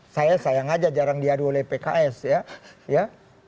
saya sayang aja jarang diadu oleh pks ya